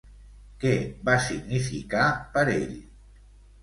Què va significar per ell?